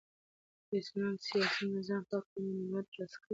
د اسلام د سیاسی نظام په هکله مو معلومات ترلاسه کړی دی.